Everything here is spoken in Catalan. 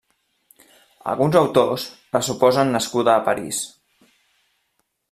Alguns autors la suposen nascuda a París.